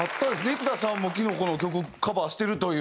幾田さんもきのこの曲カバーしてるという。